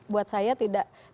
buat saya tidak etis juga itu